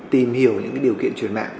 tìm hiểu những điều kiện chuyển mạng